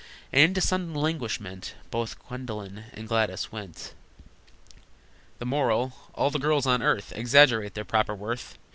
And into sudden languishment Both Gwendolyn and Gladys went. The Moral: All the girls on earth Exaggerate their proper worth.